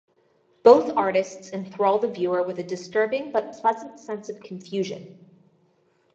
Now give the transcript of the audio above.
Both artists enthrall the viewer with a disturbing but pleasant sense of confusion.